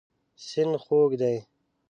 سیند خوږ دی.